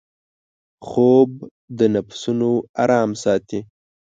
خوب د نفسونـو آرام ساتي